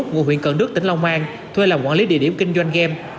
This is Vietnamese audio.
ngôi huyện cận đức tỉnh long an thuê làm quản lý địa điểm kinh doanh game